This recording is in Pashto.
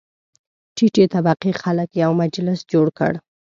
ټیټې طبقې خلک یو مجلس جوړ کړ.